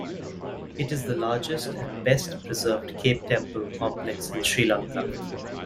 It is the largest and best preserved cave temple complex in Sri Lanka.